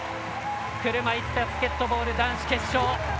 車いすバスケットボール男子決勝